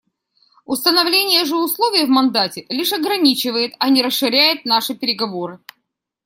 Установление же условий в мандате лишь ограничивает, а не расширяет наши переговоры.